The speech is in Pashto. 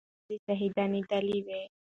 نورې ښځې شهيدانېدلې وې.